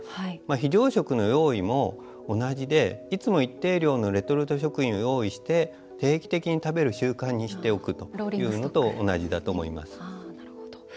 非常食の用意も同じでいつも一定量のレトルト食品を用意して、定期的に食べる習慣にしておくというのと同じだと思います。